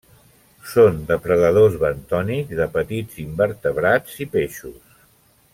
Són depredadors bentònics de petits invertebrats i peixos.